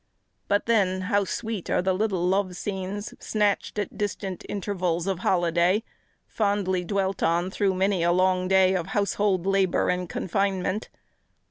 But then how sweet are the little love scenes, snatched at distant intervals of holiday, fondly dwelt on through many a long day of household labour and confinement!